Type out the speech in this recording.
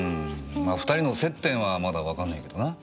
ま２人の接点はまだわかんないけどな。